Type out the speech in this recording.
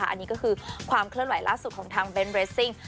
อันนี้ก็คือความเคลื่อนไหวล่าสุดของทางเบนทเรสซิ่ง